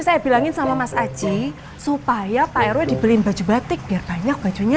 saya bilangin sama mas aceh supaya pak rw dibeliin baju batik biar banyak bajunya